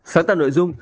sáng tạo nội dung